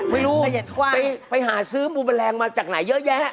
ไม่รู้ไปหาซื้อมูลแมลงมาจากไหนเยอะแยะ